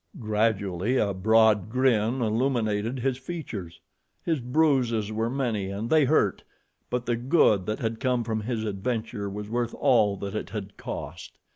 Gradually a broad grin illuminated his features. His bruises were many and they hurt; but the good that had come from his adventure was worth all that it had cost.